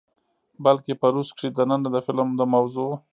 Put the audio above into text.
بلکې په روس کښې دننه د فلم د موضوع،